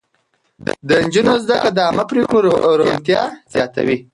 د نجونو زده کړه د عامه پرېکړو روڼتيا زياتوي.